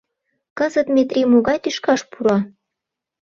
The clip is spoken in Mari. Кызыт Метрий могай тӱшкаш пура?